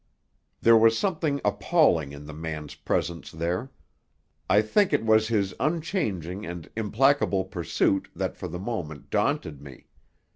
There was something appalling in the man's presence there. I think it was his unchanging and implacable pursuit that for the moment daunted me.